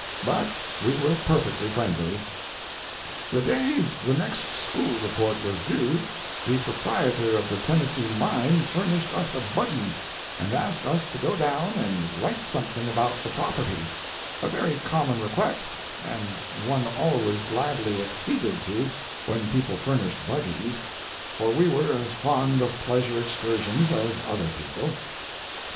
But we were perfectly friendly. The day the next school report was due the proprietor of the Tennessee Mine furnished us a buggy, and asked us to go down and write something about the property—a very common request, and one always gladly acceded to when people furnished buggies, for we were as fond of pleasure excursions as other people.